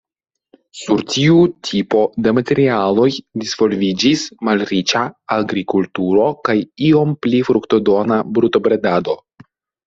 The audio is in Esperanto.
Sur tiu tipo de materialoj disvolviĝis malriĉa agrikulturo kaj iom pli fruktodona brutobredado.